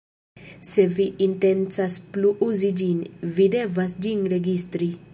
Se vi intencas plu uzi ĝin, vi devas ĝin registri.